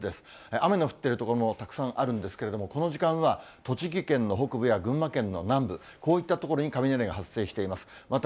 雨の降っている所もたくさんあるんですけれども、この時間は栃木県の北部や群馬県の南部、こういった所に雷が発生しています。